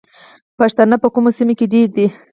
پښتانه په کومو سیمو کې ډیر دي؟